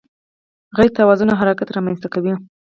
غیر توازن حرکت رامنځته کوي.